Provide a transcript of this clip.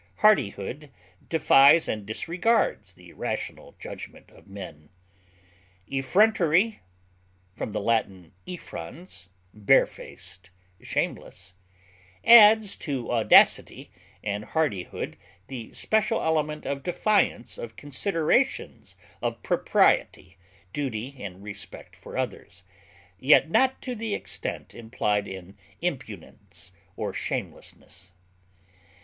Hardihood defies and disregards the rational judgment of men. Effrontery (L. effrons, barefaced, shameless) adds to audacity and hardihood the special element of defiance of considerations of propriety, duty, and respect for others, yet not to the extent implied in impudence or shamelessness.